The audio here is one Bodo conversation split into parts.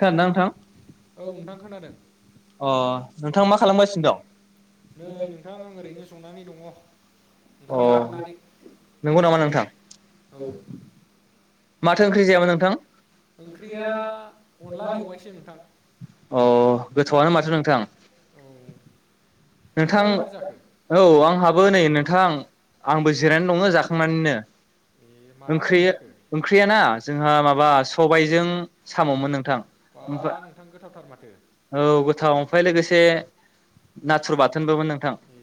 खोनादोंना नोंथां औ नोंथां खोनादों अ' नोंथांङा मा खालामगासिनो दं? नै नोंथां आं ओरैनो ज'नानै दङ अ ओंखाम जाखांनानै नंगौ नामा नोंथां औ। माथो ओंख्रि जायामोन नोंथां? ओंख्रिया अनला मेवाइसो नोंथां अ' गोथौआनो माथो नोंथां। औ नोंथां नोंहालाय माथो जाखो औ आंहाबो नै नोंथां आंबो जिरायनानै दोंङो जाखांनानैनोओं ए माथो ओंख्रि जाखो ओंख्रियाना जोंहा माबा सबायजों साममोन नोंथां बा नोंथां गोथावथार माथो औ गोथाव ओमफ्राय लोगोसे। नाथुर बाथोनबोमोन नोंथां ए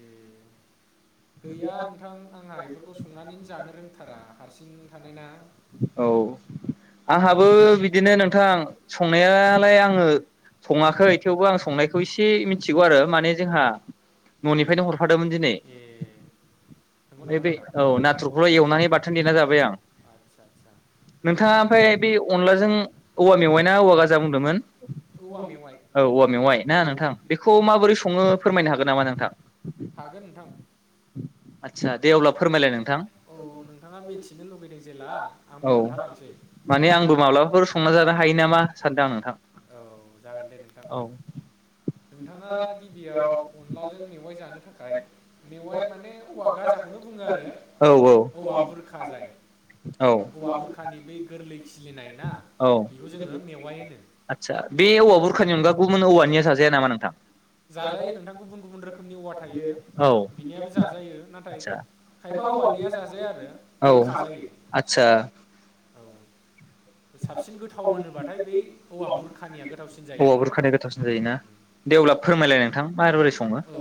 गैया नोंथां आंहा बेफोरखौ संनानैनो जानो रोंथारा हारसिं। थानाय ना। औ आंहाबो बिदिनो नोंथां संनायालाय आङो सङाखै थेवबो आं संनायखौ एसे मिथिगौ आरो माने जोंहा। ननिफायनो हरफादोंमोन दिनै ए नंगौ नामा बे नोंथां औ नाथुरखौल एवनानै बाथोन देना जाबाय आं। आदसा आदसा नोंथाङा ओमफाय बे अनलाजों औवा मेवाइ ना औवा गाजा बुंदोंमोन औवा मेवाइ औ औवा मेवाइ औ ना नोंथां बेखौ माबोरै सङो फोरमायनो हागोन। गो नामा नोंथां। हागोन नोंथां आदसा दे अब्ला फोरमायलाय नोंथां औ नोंथाङा मिथिनो लुगैदों जेला। औ माने आंबो माब्लाबाफोर संना जानो हायो नामा सानदों आं नोंथां औ [unintelligible] नोंथाङा गिबियाव अनलाजों मेवाइ जानो थाखाय मेवाइ माने औवा। गाजाखौनो बुङो आरो औ औ औवा बुरखा जाय। औ औवा बुरखानि बै गोरलै खिलिनाय ना बेखौ जोङो मेवाइ होनो आदसा बे औवा बुरखानि अनगा गुबुन औवानिआ जाजाया नामा नोंथां। औ जाजायो नोंथां गुबुन गुबुन रोखोमनि औवा थायो बिनियाबो जाजायो नाथाय खायफा औवानिया जाजाया आरो गोखा जायो आदसा औ। साबसिन गोथाव होनोब्लाथाय बै औवा आदसा बुरखानिया गोथावसिन जायो औवा आरो। बुरखानि गोथावसिन जायोना दे अब्ला फोरमायलाय नोंथां। माबोरै सङो औ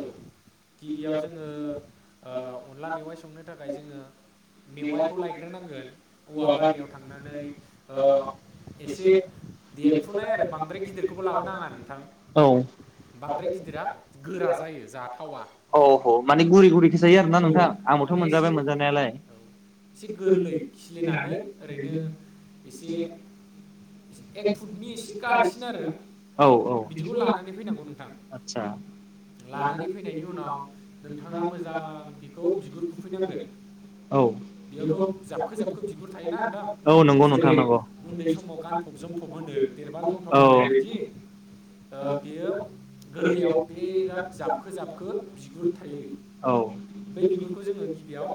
गिबियाव जोङो ओ अनला मेवाइ संनो थाखाय जोङो मेवाइखौ लायग्रोनांगौ। गोन औवा बारियाव थांनानै ओ एसे देरफुनाय आरो बांद्राय गिदिरखौबो लाबोनाङा नोंथां बांद्राय गिदिरा। गोरा जायो जाथावा अह माने गुरै गुरैखौ जायो आरोना औ नोंथां आंबोथ माने एसे मोनजाबाय मोनजानायालाय। औ एसे गोरलै खिलिनानै ओरैनो एसे एक फुटनि एसे गाहायसिन आरो औ औ बिदिखौ लानानै फैनांगौ नोंथां आदसा। लानानै फैनायनि उनाव नोंथाङा मोजां बेखौ बिगुर खुरफै नांगोन औ बेखौ। जाबखो-जाबखो बिगुर थायोना नोंथां जेरै नंगौ उन्दै समाव गानफब जोमफब होनो देरबा लंफं होननाय बायदि बेयो गोरलैयाव। बेराद जाबखो-जाबखो बिगुर थायो औ बै बिगुरखौ जोङो गिबियाव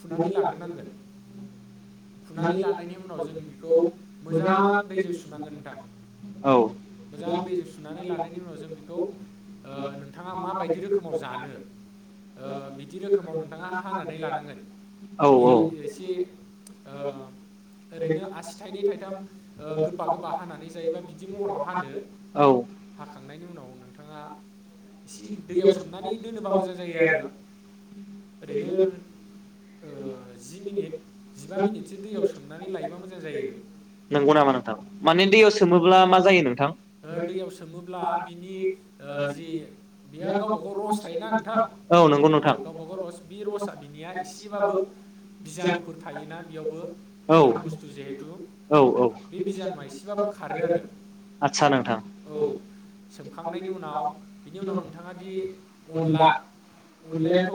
फुनानै लाग्रोनांगोन। सुनानै लानायनि उनाव जों बेखौ मोजां दैजों सुनानै औ मोजां दैजों सुनानै उनाव लानायनि जों बेखौ उनावसो ओ बेखौ। नोंथाङा नोंथांङा माबायदि मायदि रोखोमाव जानो रोखोम दानो ओ बि बिदि रोखोमाव नोंथाङा हानानै ना लानांगोन हानानै लानांगोन नि औ-औ। एसे ओरैनो आसि थाइनै थाइथाम गोबा गोबा हानानै जायोबा बिदि महराव हादो औ हाखांनायनि उनाव नोंथाङा। एसे दैयाव सोमनानै दोनोब्ला मोजां जायो आरो ओरैनो ओ जि मिनिट। सिगां बिदि दैयाव सोमनानै लायोब्ला मोजां जायो नंगौ नामा नोंथां माने दैयाव सोमोब्ला मा जायो नोंथां दैयाव होयोब्ला बिनि। बि-बिहा गावबा गाव रस थायोना नोंथां औ नंगौ औ गावबा गाव रस बि रसआ बिनिया एसेबाबो बिजानुफोर थायोना बेयावबो औ गोथां बुस्थु जिहेथु औ बे बिजानुआ औ एसेबाबो खारो आरो आदसा औ नोंथां सोमखांनायनि उनाव औ बिनि उनाव नोंथांङा दि अनला अनलायाथ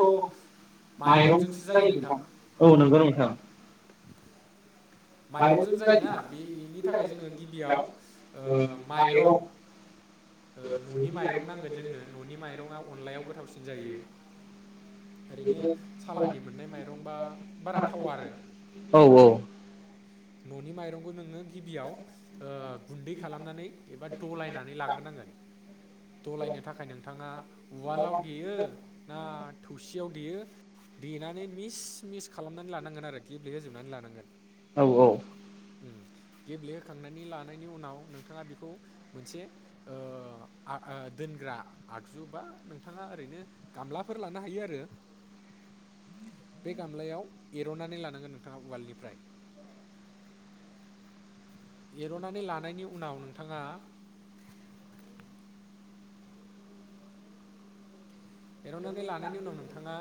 माइरंजोंसो जायो नोंथां। औ नंगौ नोंथां। माइरंजों जायोना बेनि थाखाय जोङो गिबियाव ओ माइरं न'नि माइरं नांगोन जोंनो न'नि माइरंङा अनलायाव गोथावसिन जायो। ओरैनो सालानि मोननाय माइरंबा बारा थावा आरो। औ औ न'नि माइरंखौ नोंङो गिबियाव ओ गुन्दै खालामनानै एबा दलायनानै लाग्रोनांगोन दलायनो थाखाय नोंथांङा उवालाव देयो ना थौसियाव देयो देनानै मिस मिस खालामनानै लानांगोन आरो गेब्लेे होजोबनानै लानांगोन। औ औ उम्म गेब्लेहोखांनानै लानायनि उनाव नोंथांङा बेखौ मोनसे ओ आ दोनग्रा आगजु बा नोंथांङा ओरैनो गामलाफोर लानो हायो आरो बे गामलायाव एरननानै लानांगोन नोंथांङा उवालनिफ्राय। एरननानै लानायनि उनाव नोंथांङा एरननानै लानायनि उनाव नोंथांङा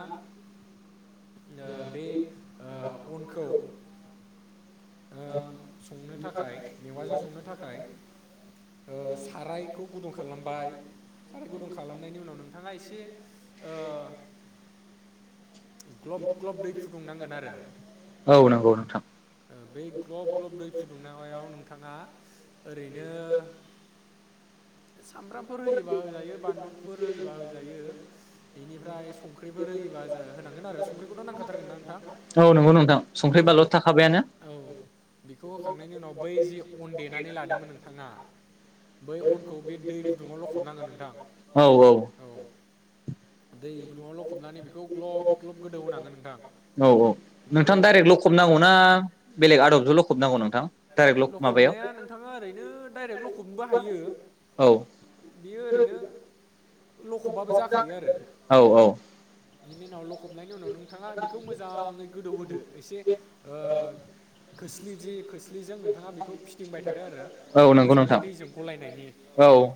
ओ बे ओ अनखौ ओ संनो थाखाय मेवाजों संनो थाखाय ओ सारायखौ गुदुं खालामबाय साराय गुदुं खालामनायनि उनाव नोंथांङा एसे ओ ग्लब ग्लब दै फुदुंनांगोन आरो औ नंगौ नोंथां। बै ग्लब ग्लब दै फुदुंनायाव नोंथांङा ओरैनो सामब्रामफोर होयोबा होजायो बानलुफोर होयोबा होजायो बेनिफ्राय संख्रिफोर होयोबा होनांगोन आरो संख्रिखौथ नांखाथारगोन ना नोंथां। औ नंगौ नोंथां औ संख्रि बानलुआ थाखाबायानो। औ बेखौ होखांनायनि उनाव बै जि अन देनानै लादोंमोन नोंथांङा बै अनखौ बे दै गुदुङाव लखबनांगोन नोंथां। औ औ दै गुदुंङाव लखबनानै बेखौ ग्लब ग्लब गोदौ होनांगोन नोंथां। औ नोंथां गोदौ दाइरेक्ट लखबनांगौना बेलेग आदबजो लखब नांगौ लखबनाया नोंथांङा ओरैनो दाइरेक्ट लखबनोबो हायो औ बियो ओरैनो लखबबाबो जाखायो आरो औ औ बिनि उनाव लखबनायनि उनाव नोंथांङा बे बेखौ मोजांङै गोदौ होदो एसे ओ खोसलि जि खोस लिजों नोंथांङा बेखौ फिदिंबाय [unintelligible] आरो औ नंगौ मोजाङै नोंथां दैजों गलायनायनि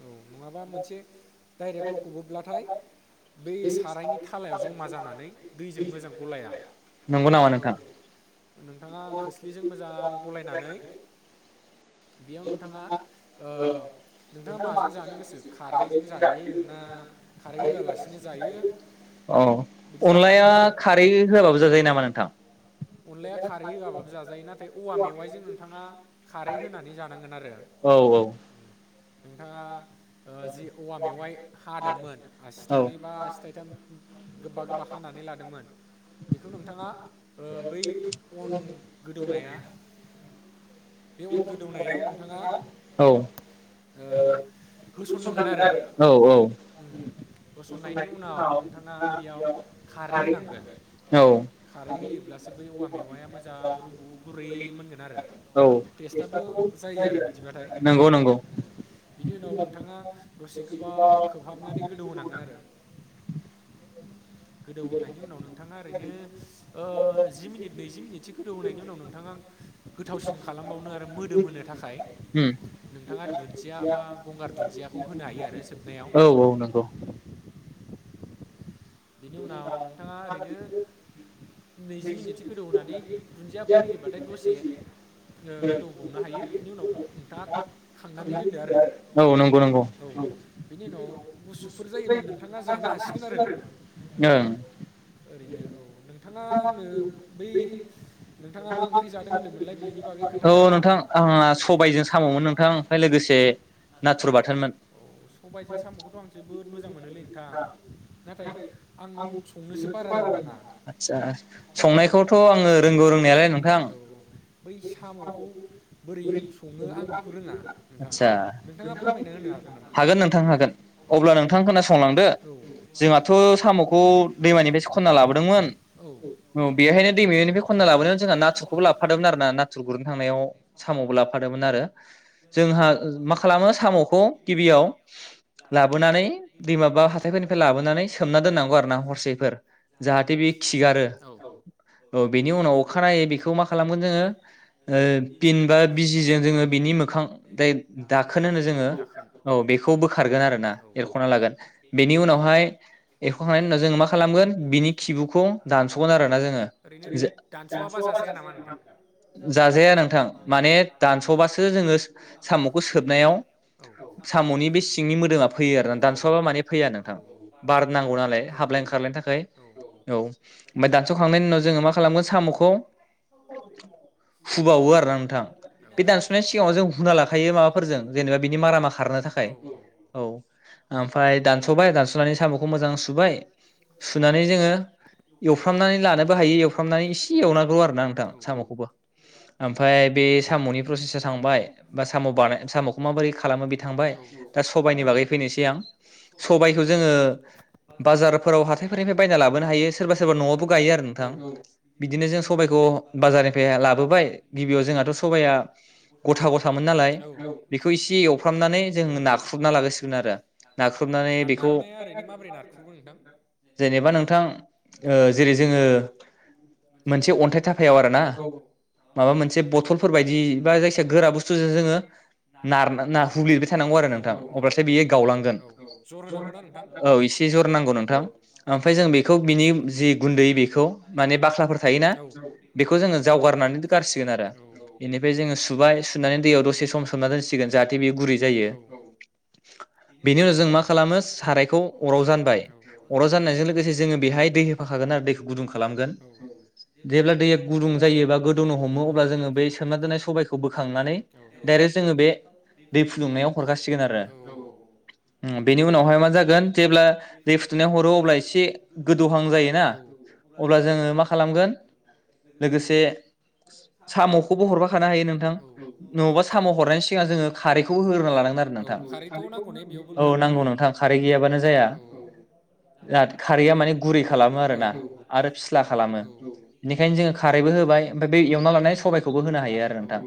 औ नंङाबा मोन से डाइरेक्ट लखबोब्लाथाय बै सारायनि थालायाव जमा जानानै दैजों मोजां गलाया। नंगौ नामा औ नोंथां? नोंथाङा खोस्लिजों मोजां गलायनान है बेयाव नोंथाङा नोंथाङा ओ माजों जानो गोसो खारदैजों जायो ना खारै होआलासिनो जायो औ बिदि जानो अनलाया हागोन आरो। खारै होआबाबो जाजायो नामा नोंथां अनलाया खारै होयाबाबो जाजायो नाथाय औवा मेवाइजों नोंथाङा खारै होनानै जानांगोन आरो। औ औ। नोंथाङा ओ जि औवा औ मेवाइ औ हादोंमोन आसि थाइनै बा आसि थाइथाम गोबा गोबा हानानै लादोंमोन बेखौ नोंथाङा ओ बै अन गोदौनाया बे अन गोदौनायाव नोंथाङा औ। ओ होसननांगोन आरो औ औ। उम होसननायनि उनाव नोंथाङा बेयाव खारै होनांगोन। खारै होयो ब्लासो बै औवा मेवाइया मोजां रुबु गुरै मोनगोन आरो औ टेस्टाबो जायो आरो। बिदिबाथाय नंगौ नंगौ। उम बिनि उनाव नोंथाङा दसे गोबाव खोबहाबनानै गोदौ होनांगोन आरो उम गोदौहोनायनि उनाव नोंथाङा ओरैनो ओ जि मिनिट नैजि मिनिट सो गोदौ होनायनि उनाव नोंथाङा गोथावसिन खालामबावनो आरो मोदोम होनो थाखाय नोंथाङा दुन्दिया बा गंगार दुन्दियाखौ होनो हायो आरो जोबनायाव। औ औ नंगौ बेनि उनाव नोंथाङा ओरैनो नैजि मिनिटसो गोदौ होनानै दुन्दियाफोर होयोबाथाय दसे ओ गोदौबावनो हायो बेनि उनाव नोंथाङा खांनानै दोनदो आरो। औ नंगौ नंगौ। औ बेनि उनाव गुसुफोर जायोब्ला नोंथाङा जानो हासिगोन आरो। ओ ओरैनो औ नोंथाङा आंनो बै नोंथाङा मा ओंख्रि जादों होनदोंमोनलाय बेनि बागै अ खोन्थानो हागोन नोंथां नामा? आंहा ओ सबाइजों साम'मोन नोंथां ओमफाय लोगोसे नाथुर बाथोनमोन। औ सबायजों साम'खौथ' आं जोबोद मोजां मोनोलै नोंथां नाथाय आं संनोसो बारा रोंबाङा आतसा संनायखौथ' आङो रोंगौ रोंनायालाय नोंथां औ बै साम'खौ बोरै सङो आं बेखौ रोङा नोंथां आतसा नोंथाङा फोरमायना होनो हागोन नोंथां हागोन अब्ला नोंथां खोनासंलांदो औ जोंहाथ' साम'खौ खौ दैमानिफ्रायसो खनना लाबोदोंमोन औ ओ बेहायनो दैमानिफ्राय खनना लाबोदोंमोन जोंहा नाथुरखौबो लाबोफादोंमोन आरो ना नाथुर गुरनो थांनायाव साम'बो लाबोफादोंमोन आरो। जोंहा मा खालामो साम'खौ गिबियाव लाबोनानै दैमाबा हाथायफोरनिफ्राय लाबोनानै सोमना दोननां ना हरसेफोर जाहाते बेयो खिगारो औ ओ बेनि उनाव अखानायै बेखौ मा खालामगोन जोङो ओ पिन बा बिजिजों जोङो बेनि मोखां खां दे दाखोन होनो जोङो दाखोन औ बेखौ बोखारगोन आरो ना एरख'ना लागोन बेनि उनावहाय जों मा खालामगोन बिनि खिबुखौ दानस'गोन आरोना जोङो जो लागोन जाजाया नामा नोंथां जाजाया नोंथां माने दानस'बासो जोङो सामखौ सोबनायाव औ साम'नि बे सिंनि मोदोमा फैयो आरोना दानस'वाबा माने फैया नोंथां बार नांगौ ना बे हाबलाय ओंखारलायनि औ आमफाय दानस'खांनायनि उनाव जोङो मा खालामगोन साम'खौ हुबावो आरोना नोंथां बे दानस'नायनि सिगाङाव जों हुना लाखायो माबाफोरजों जेनेबा बिनि मारामा खारनो थाखाय औ औ ओमफ्राय दानसबाय दानसनानै सामखौ मोजां सु सुबाय सुनानै जोंङो एवफ्रामनानै लानोबो हायो एवफ्रामनानै एसे एवनांगौ आरोना नोंथां औ सामखौबो ओमफ्राय बे सामनि प्रसेसा थांबाय बा साम बानाय सामखौ माबोरै खालामो बे थांबाय औ दा सबायाइनि बागै फैनोसै आं सबायखौ जोंङो बाजारफोराव हाथायफोरनिफ्राय बायना लाबोनो हायो सोरबा सोरबा नआवबो गायो आरो नोंथां बिदिनो जों सबाइखौ बाजारनिफ्राय लाबोबाय गिबियाव जोंहाथ सबाइआ गथा गथ थामोन नालाय नोंथां बेखौ एसे एवफ्रामनानै जों नाख्रुबना लागासिगोन आरो नाख्रुबनानै बेखौ नाख्रुबनानै बेखौ जेनेबा नोंथां ओ जेरै जोंङो मोनसे अन्थाइ थाफायाव आरो ना माबा मोनसे बथलफोर बायदि बा जायखिजया गोरा बुस थुजों जोङो नार-नारख्रबलिबाय थानांगौ आरो नोंथां अब्लाथाय बियो गावलायो औ औ एसे एसे ज नांगौ नोंथां आमफ्राय जों बेखौ बिनि जि गुन्दै बेखौ माने बाख्लाफोर थायोना बेखौ जोंङो जावगारनानै गारसिगोन आरो बेनिफ्राय जोङो बेनिफ्राय जोंङो सुबाय सोमनानै दैयाव दसे सम सोमना दोनसिगोन जाहाथे बेयो गुरै जायो। बेनि उनाव जों मा खालामो सारायखौ अराव जानबाय अराव जानायजों लोगोसे जोंङो बेहाय दै होफाखागोन आरो दैखौ गुदुं खालामगोन। जेब्ला दैया गुदुं जायोबा गोदौनो हमो अब्ला जोंङो बै सोमना दोननाय सबायखौबो खांनानै डायरेक्ट जोंङो बे दै दै फुदुंनायाव हरखासिगोन आरो फुदुंनाया हरो बेनि उनावहाय मा जागोन जेब्ला दै फुदुनायनानै हरो अब्ला एसे गोदौहां जायोना अब्ला जोंङो मा खालामगोन लोगोसे सामखौबो हरफा खानो हायो नोंथां। नङाबा नुबा साम हरनायनि सिगां जोंङो खारैखौबो होग्रोना लानांगोन आरो नोंथां औ नंगौ नोंथां औ नांगौ नोंथां खारै गैयाबानो जाया। जाहाथे खारैआ माने गुरै खालामो आरोना आरो फिस्ला खालामो बेनिखायनो जोंङो खारैबो होबाय ओमफ्राय बे एवना लानाय सबबायखौबो होनो हायो आरो नोंथां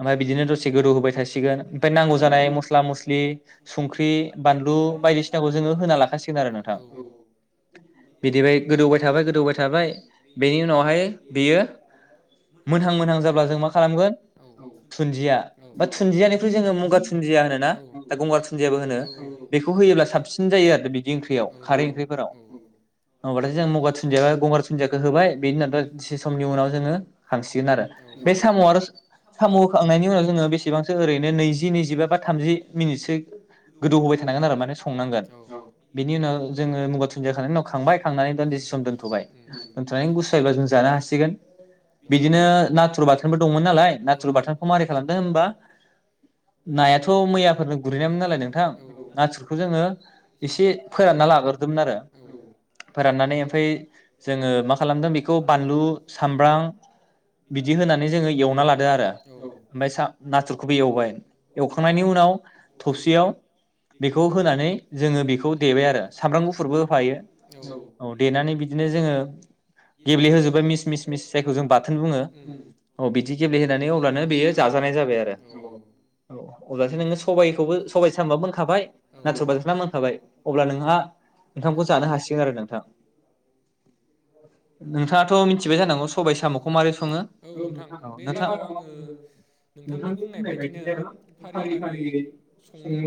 ओमफाय बिदिनो दसे गोदौ होबाय थासिगोन ओमफाय नांगौ जानाय मस्ला मस्लि संख्रि बानलु बायदिसिनाखौ जोंङो होना लाखासि सिगोन आरो नोंथां बिदिबाय गोदौबाय थाबाय गोदौबाय थाबाय बेनि उनावहाय बेयो मोनहां मोनहां जाब्ला जों मा खालामगोन थुन्दिया बा थुन्दियानिख्रुइ जोंङो मगा थुन्दिया होनो ना होनोना गंगार थुन्दियाबो होनो बेखौ होयोब्ला साबसिन जायो आरो बे बि ओंख्रियाव खारै ओंख्रिफोराव होमबाथाय जों मगा थुनदिया गंगार थुनदियाखौ होबाय बेनि उनसे समनि उनाव जोंङो खांसिगोन आरो बे साम आरो साम होखांनायनि उनाव जोंङो बेसेबांसो ओरैनो नैजि नैजिबा बा थामजि मिनिटसो गोदौ होबाय थानांगोन आरो माने संनांगोन साम' आरो बिनि उनाव जोंङो मुगा थुनदिया होनायनि उनाव खांबाय खांनानै दानदिसे सम दोन्थबाय बिदिनो दोन्थनानै गुसु जायोब्ला जों जानो हासिगोन बिदिनो नाथुर बाथोनबो दंमोन नालाय ना नाथुर बाथोनखौ मोरै खालामदों होनबा नायाथ मैयाफोरनो गुरहैनायोन नालाय नोंथां नाथुरखौ जोंङो एसे फोरानना लाग्रोदोंमोन आरो फोराननानै ओमफ्राय जोंङो मा खालामदों बेखौ बानलु सामब्राम बिदि होनानै जोंङो एवना लादो आरो फ्रा ओमफाय सा नाथुरखौबो एवबाय एवखांनायनि उनाव थौवसियाव बेखौ होनानै जोंङो बेखौ देबाय आरो सामब्राम गुफुरबो होफायो जोङो देनानै बिदिनो जोंङो गेब्लेहोजुबाय मिस मिस मिस जायखौ जों बाथोन बुङो। अ बेदि गेब्लेहोना देनानै अब्लानो बेयो जाजानाय जाबाय आरो नाथुर बाथोना अब्लासो नोङो सबबायखौबो सबाय सामुआबो मोनखाबाय नाथुरबाथोन आबो मोनखाबाय अब्ला नोंहा औंखामखौ जानो हासिगोन आरो नोंथां। नोंथाङाथ' मिथिबाय जानांगौ सबाय साम'खौ मारै सङो औ नोंथां बे नोंथां बाराव आङो नोंथांनि बुंनाय बायदिनो फारि फारियै संला